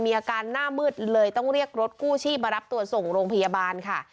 หน้ามืดเลยต้องเรียกรถกู้ชีพมารับตัวส่งโรงพยาบาลค่ะ